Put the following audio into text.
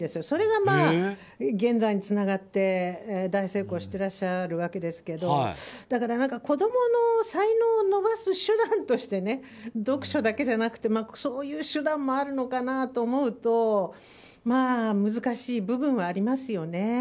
それが現在につながって大成功してらっしゃるわけですがだから子供の才能を伸ばす手段として読書だけじゃなくてそういう手段もあるのかなと思うと難しい部分はありますよね。